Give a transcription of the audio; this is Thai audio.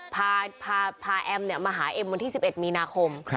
พาแอมมาหาเอ็มวันที่๑๑มีนาคม